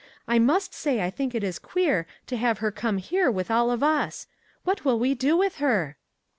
I must say I think it is queer to have her come here with all of us. What will we do with her?"